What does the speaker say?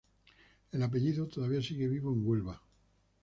El apellido todavía sigue vivo en Huelva.